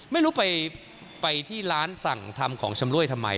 ไม่รู้ไปที่ร้านสั่งทำของชำรวยทำไม